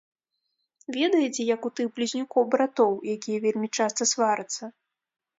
Ведаеце, як у тых блізнюкоў-братоў, якія вельмі часта сварацца.